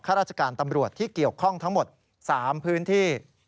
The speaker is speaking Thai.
ราชการตำรวจที่เกี่ยวข้องทั้งหมด๓พื้นที่